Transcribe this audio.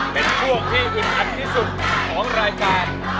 เป็นพวกที่อุตตันที่สุดของรายการ